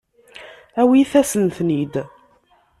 Awit-asen-tent-id.